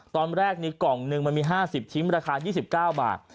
ตอนแรกมีกล่องหนึ่งมันมี๕๐ชิ้นราคา๒๙บาท